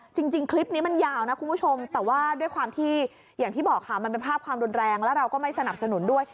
จริงคลิปนี้มันยาวนะคุณผู้ชมแต่ว่าด้วยความที่อย่างที่บอกค่ะมันเป็นภาพความรุนแรงแล้วเราก็ไม่สนับสนุนด้วย